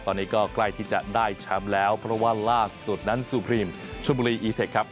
ตอนนี้ก็ใกล้ที่จะได้แชมป์แล้วเพราะว่าล่าสุดนั้นซูพรีมชมบุรีอีเทคครับ